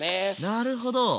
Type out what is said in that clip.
なるほど。